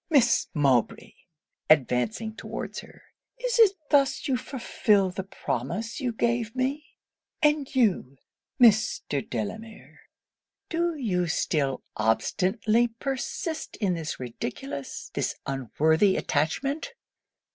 'Miss Mowbray!' (advancing towards her) 'is it thus you fulfil the promise you gave me? And you, Mr. Delamere do you still obstinately persist in this ridiculous, this unworthy attachment?'